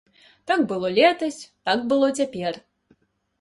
Так было летась, так было цяпер.